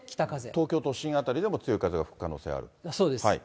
東京都心辺りでも強い風が吹く可能性がある？